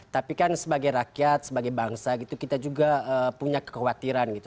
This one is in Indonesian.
tapi kan sebagai rakyat sebagai bangsa gitu kita juga punya kekhawatiran gitu